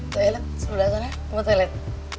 toilet sebelah sana kamu mau toilet